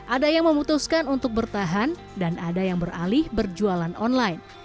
ada yang memutuskan untuk bertahan dan ada yang beralih berjualan online